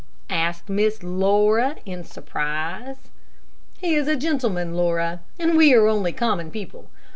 asked Miss Laura, in surprise. "He is a gentleman, Laura, and we are only common people.